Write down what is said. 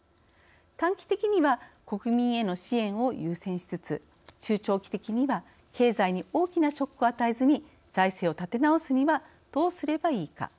短期的には国民への支援を優先しつつ中長期的には経済に大きなショックを与えずに財政を立て直すにはどうすればいいか。